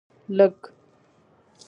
لږ